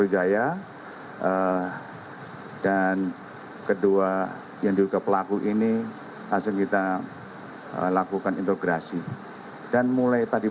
jadi bukan terjadi di dua ribu sembilan belas